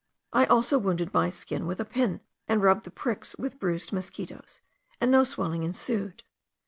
I also wounded my skin with a pin, and rubbed the pricks with bruised mosquitos, and no swelling ensued.